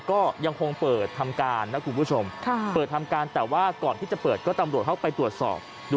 ก็ยังคงเปิดทำการนะคุณผู้ชมเปิดทำการแต่ว่าก่อนที่จะเปิดก็ตำรวจเข้าไปตรวจสอบดู